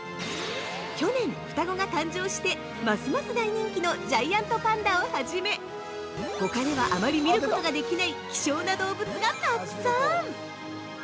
去年、双子が誕生してますます大人気のジャイアントパンダを初めほかではあまり見ることができない希少な動物がたくさん！